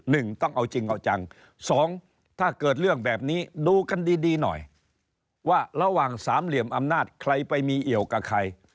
หนึ่งต้องเอาจริงเอาจังสองถ้าเกิดเรื่องแบบนี้ดูกันดีดีหน่อยว่าระหว่างสามเหลี่ยมอำนาจใครไปมีเอี่ยวกับใคร